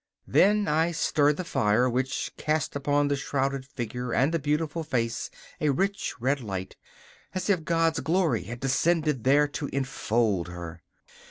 Then I stirred the fire, which cast upon the shrouded figure and the beautiful face a rich red light, as if God's glory had descended there to enfold her.